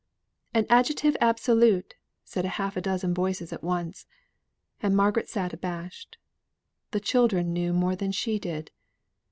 "An adjective absolute," said half a dozen voices at once. And Margaret sate abashed. The children knew more than she did.